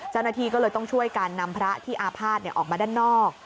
เจ้าหน้าที่ก็เลยต้องช่วยการนำพระที่อาภาษณ์ออกมาด้านนอก